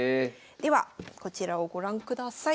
ではこちらをご覧ください。